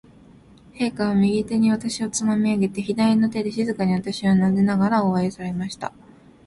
陛下は、右手に私をつまみ上げて、左の手で静かに私をなでながら、大笑いされました。